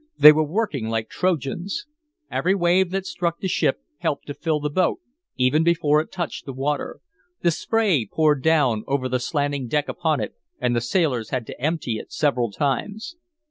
They were working like Trojans. Every wave that struck the ship helped to fill the boat, even before it touched the water; the spray poured down over the slanting deck upon it and the sailors had to empty it several times.